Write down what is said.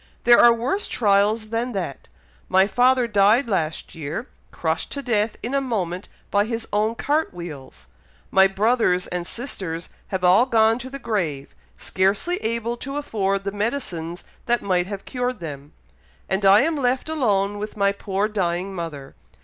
There are worse trials than that! My father died last year, crushed to death in a moment by his own cart wheels, my brothers and sisters have all gone to the grave, scarcely able to afford the medicines that might have cured them, and I am left alone with my poor dying mother.